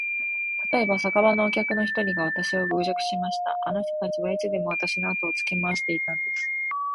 たとえば、酒場のお客の一人がわたしを侮辱しました。あの人たちはいつでもわたしのあとをつけ廻していたんです。